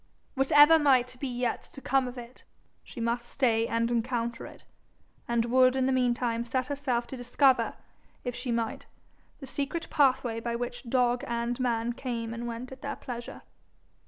Whatever might be yet to come of it, she must stay and encounter it, and would in the meantime set herself to discover, if she might, the secret pathway by which dog and man came and went at their pleasure.